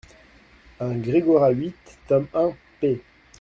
un Gregoras huit, tome un, p.